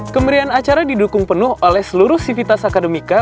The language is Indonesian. kemerian acara didukung penuh oleh seluruh sivitas akademika